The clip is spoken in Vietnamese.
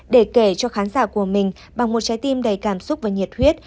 để kể cho khán giả của mình bằng một trái tim đầy cảm xúc và nhiệt huyết